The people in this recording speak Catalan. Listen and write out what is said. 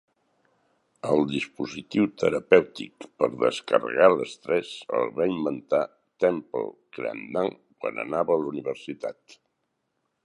El dispositiu terapèutic per descarregar l'estrès el va inventar Temple Grandin quan anava a la universitat.